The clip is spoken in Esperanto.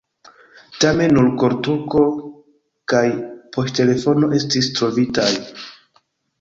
Tamen nur koltuko kaj poŝtelefono estis trovitaj.